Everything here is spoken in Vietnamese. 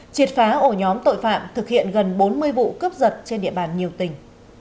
triệt phá ổ nhóm tội phạm thực hiện gần bốn mươi vụ cướp giật trên địa bàn nhiều tỉnh